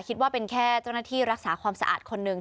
คิดว่าเป็นแค่เจ้าหน้าที่รักษาความสะอาดคนหนึ่ง